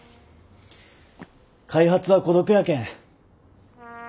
開発は孤独やけん。